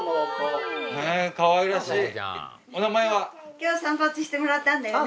今日散髪してもらったんだよね。